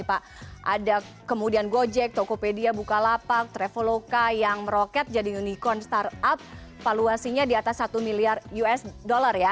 ada kemudian gojek tokopedia bukalapak traveloka yang meroket jadi unicorn startup valuasinya di atas satu miliar usd ya